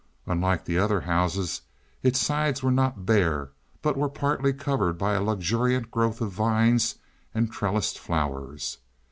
Unlike the other houses, its sides were not bare, but were partly covered by a luxuriant growth of vines and trellised flowers.